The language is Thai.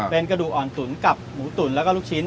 เป็นกระดูกอ่อนตุ๋นกับหมูตุ๋นแล้วก็ลูกชิ้น